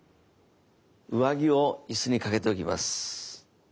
上着を椅子に掛けておきます。